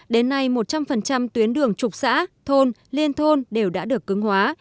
đến nay một trăm linh tuyến đường trục xã thôn liên thôn đều đã được cứng hóa